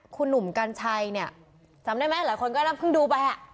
จำได้ไหมหลายคนก็นั่นคงดูไปอะ